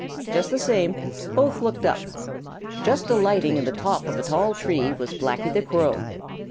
Just the same, both looked up. Just alighting in the top of a tall tree was Blacky the Crow.